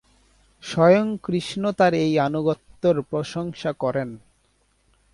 স্বয়ং কৃষ্ণ তাঁর এই আনুগত্যের প্রশংসা করেন।